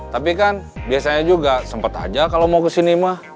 tapi kan biasanya juga sempat aja kalau mau kesini mah